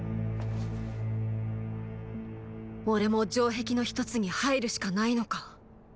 オレも城壁の一つに入るしかないのか。